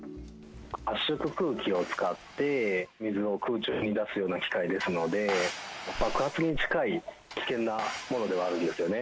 圧縮空気を使って水を空中に出すような機械ですので、爆発に近い危険なものではあるんですよね。